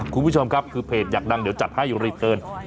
คุณผู้ชมครับคือเพจอยากดังเดี๋ยวจะจัดไปให้อย่าง